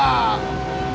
ya itu beda